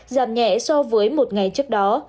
giảm nhẹ so với một ngày trước đó